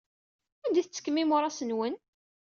Anda ay tettekkem imuras-nwen?